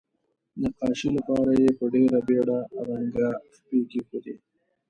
نقاشۍ لپاره یې په ډیره بیړه رنګه خپې کیښودې.